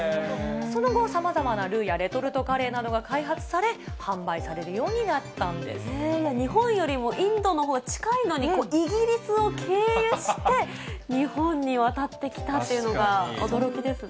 その後、さまざまなルーやレトルトカレーなどが開発され、販売されるよう日本よりも、インドのほうが近いのに、イギリスを経由して、日本に渡ってきたっていうのが驚きですね。